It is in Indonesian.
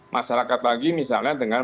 masyarakat lagi misalnya dengan